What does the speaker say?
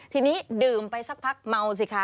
ทีนี้ดื่มไปสักพักเมาสิคะ